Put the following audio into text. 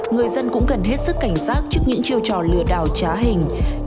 người dân cũng cần hết sức cảnh giác trước những chiêu trò lừa đảo trá hình